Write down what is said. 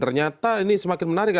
ternyata ini semakin menarik